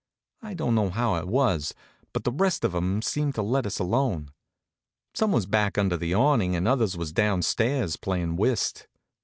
I don't know how it was, but the rest of 'em seemed to let us alone. Some was back under the awnin' and others was down stairs, playin' whist.